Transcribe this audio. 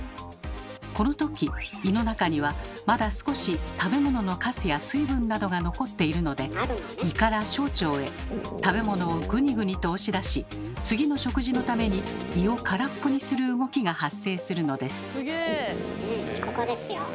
このとき胃の中にはまだ少し食べ物のカスや水分などが残っているので胃から小腸へ食べ物をグニグニと押し出し次の食事のために胃を空っぽにする動きが発生するのです。